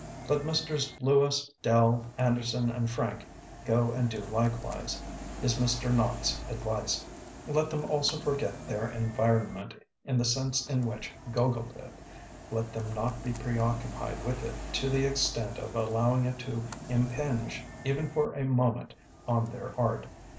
Let Messrs. Lewis, Dell, Anderson, and Frank go and do likewise, is Mr. Nock's advice. Let them also forget their environ ment in the sense in which Gogol did; let them not be preoccupied with it to the extent of allowing it to impinge, even for a moment, on their art.